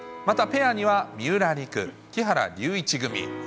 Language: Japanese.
またペアには三浦璃来、木原龍一組。